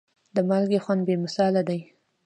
د مالګې خوند بې مثاله دی.